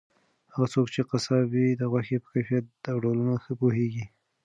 هغه څوک چې قصاب وي د غوښې په کیفیت او ډولونو ښه پوهیږي.